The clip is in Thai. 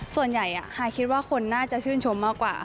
ส่วนใหญ่ฮายคิดว่าคนน่าจะชื่นชมมากกว่า